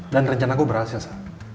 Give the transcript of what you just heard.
dan rencana gue berhasil sa